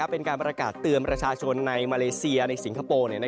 เป็นการประกาศเตือนประชาชนในมาเลเซียในสิงคโปร์